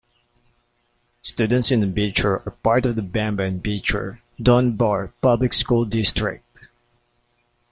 Students in Beecher are part of the Pembine-Beecher-Dunbar public school district.